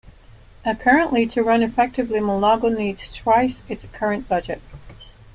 Apparently, to run effectively, Mulago needs thrice its current budget.